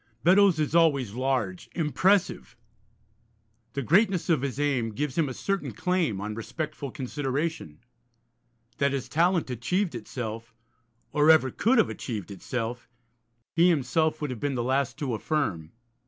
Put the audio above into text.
Beddoes is always large, impressive; the greatness of his aim gives him a certain claim on respectful consideration. That his talent achieved itself, or ever could have achieved itself, he himself would have been the last to affirm.